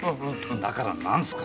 だからなんすか。